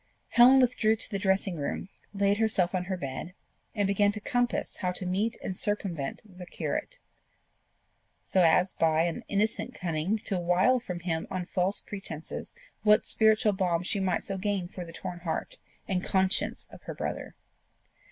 Helen withdrew to the dressing room, laid herself on her bed, and began to compass how to meet and circumvent the curate, so as by an innocent cunning to wile from him on false pretences what spiritual balm she might so gain for the torn heart and conscience of her brother.